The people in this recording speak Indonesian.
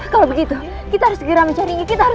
kalau begitu kita harus segera mencarinya kita harus